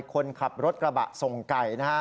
คนขับรถกระบะทรงไก่